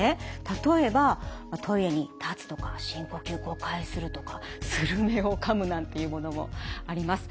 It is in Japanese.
例えば「トイレに立つ」とか「深呼吸５回する」とか「するめを噛む」なんていうものもあります。